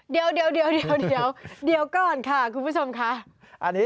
เดี๋ยวก่อนค่ะคุณผู้ชมค่ะ